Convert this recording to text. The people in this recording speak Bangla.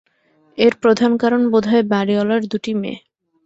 এর প্রধান কারণ বোধহয় বাড়িঅলার দুটি মেয়ে।